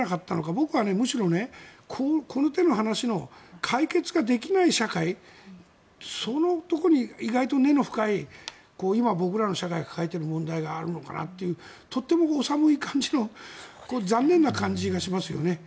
僕はむしろこの手の話の解決ができない社会そのところに意外と根の深い今、僕らの社会が抱えている問題があるのかなととってもお寒い感じの残念な感じがしますよね。